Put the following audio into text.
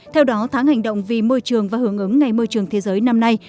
theo đó tháng hành động vì môi trường và hưởng ứng ngày môi trường thế giới năm nay